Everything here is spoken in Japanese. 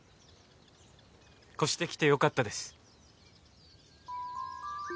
越してきてよかったです。